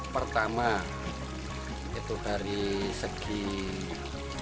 pertama saya sangat berminat dengan sidat